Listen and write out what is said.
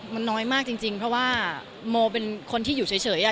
มันน้อยมากจริงเพราะว่าโมเป็นคนที่อยู่เฉย